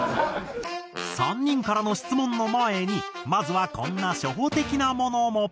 ３人からの質問の前にまずはこんな初歩的なものも。